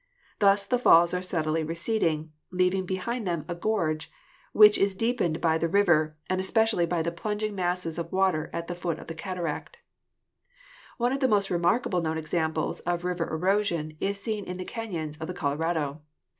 Thus the falls are steadily receding, leaving be hind them a gorge, which is deepened by the river and DESTRUCTIVE AGENCIES 141 especially by the plunging masses of water at the foot of the cataract. One of the most remarkable known examples of river erosion is seen in the canons of the Colorado.